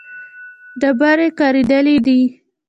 ډبرې کارېدلې دي.